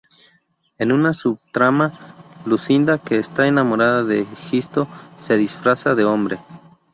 En una subtrama, Lucinda, que está enamorada de Egisto, se disfraza de hombre.